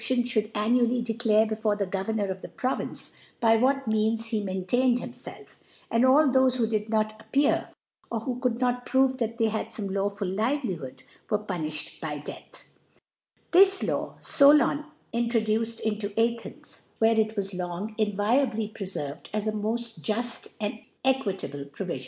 «ibould annually dp^ • clare befc^re the Governor of* the Province, by • what Means he maintained himfelf ; and all "• thofc who did not appear, or who could not * prove that they had fomc lawful Livelihood, * were puniflied by Death* This Law Solan in •< trodaced ixiio Jthens<^ where it was long inviola • bW picferved as ^ rn')ft jufl and equitable Prp • vifion.'